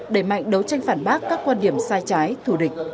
đẩy mạnh đấu tranh phản bác các quan điểm sai trái thù địch